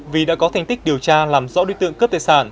vì đã có thành tích điều tra làm rõ đối tượng cướp tài sản